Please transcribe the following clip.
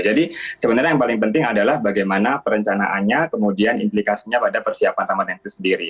jadi sebenarnya yang paling penting adalah bagaimana perencanaannya kemudian implikasinya pada persiapan ramadhan itu sendiri